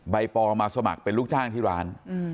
ปอมาสมัครเป็นลูกจ้างที่ร้าน